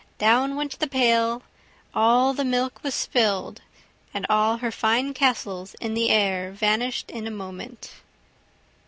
Down went the pail, all the milk was spilled, and all her fine castles in the air vanished in a moment!